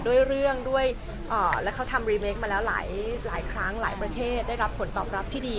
ด้วยเรื่องด้วยแล้วเขาทำรีเมคมาแล้วหลายครั้งหลายประเทศได้รับผลตอบรับที่ดี